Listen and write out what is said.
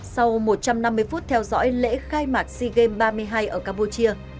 sau một trăm năm mươi phút theo dõi lễ khai mạc sea games ba mươi hai ở campuchia